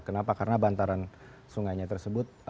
kenapa karena bantaran sungainya tersebut